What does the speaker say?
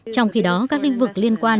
trong khi đó các lĩnh vực liên quan